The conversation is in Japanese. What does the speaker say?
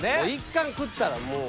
「１貫食ったらもう」